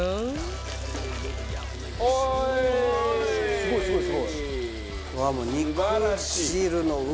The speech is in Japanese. すごいすごいすごい。